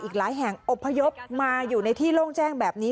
อีกหลายแห่งอบพยพมาอยู่ในที่โล่งแจ้งแบบนี้